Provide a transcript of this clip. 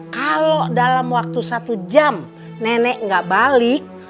kalau dalam waktu satu jam nenek gak balik